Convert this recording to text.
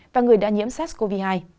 và người đã nhiễm sars cov hai